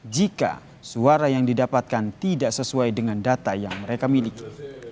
jika suara yang didapatkan tidak sesuai dengan data yang mereka miliki